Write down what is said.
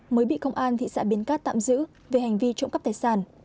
mới bị công an thị xã bến cát tạm giữ về hành vi trộm cắp tài sản